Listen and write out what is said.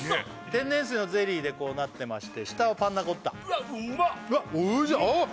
天然水のゼリーでこうなってまして下はパンナコッタうわおいしっ！